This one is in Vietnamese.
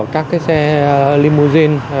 các cái xe limousine